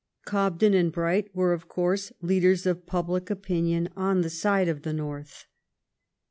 Cobden and Bright were, of course, leaders of public opinion on the side of the North.